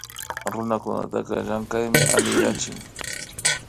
Runakunataka llankanmi alli yachik